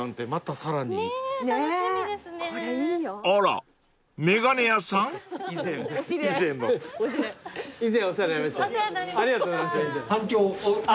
ありがとうございました以前。